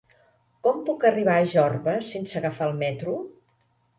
Com puc arribar a Jorba sense agafar el metro?